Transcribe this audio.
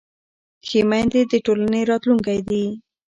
ښه میندې د ټولنې راتلونکی دي.